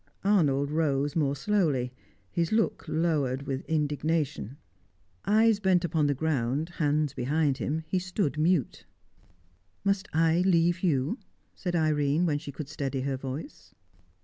Arnold rose more slowly, his look lowered with indignation. Eyes bent on the ground, hands behind him, he stood mute. "Must I leave you?" said Irene, when she could steady her voice.